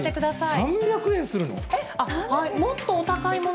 ３００円するの？